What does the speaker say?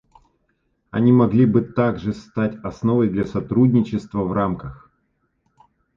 Они могли бы также стать основой для сотрудничества в рамках.